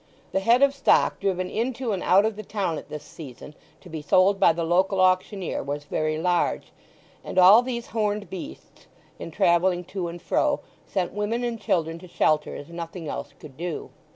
The head of stock driven into and out of the town at this season to be sold by the local auctioneer was very large; and all these horned beasts, in travelling to and fro, sent women and children to shelter as nothing else could do.